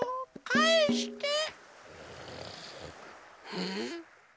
うん？